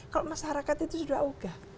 kalau masyarakat itu sudah oga